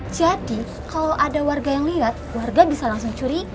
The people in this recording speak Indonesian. jadi kalau ada warga yang lihat warga bisa langsung curiga